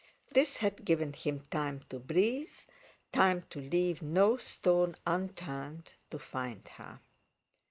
This had given him time to breathe, time to leave no stone unturned to find her.